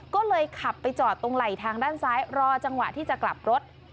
ก็เลยขับไปจอดตรงไหล่ทางด้านซ้ายรอจังหวะที่จะกลับรถ